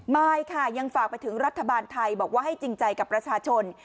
ไม่ค่ะยังฝากไปถึงรัฐบาลไทยบอกว่าให้จริงใจกับประชาชน